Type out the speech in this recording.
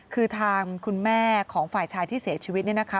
คือทางคุณแม่ของฝ่ายชายที่เสียชีวิตเนี่ยนะคะ